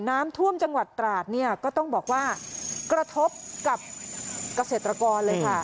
น้ำท่วมจังหวัดตราดเนี่ยก็ต้องบอกว่ากระทบกับเกษตรกรเลยค่ะ